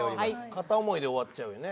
片思いで終わっちゃうよね。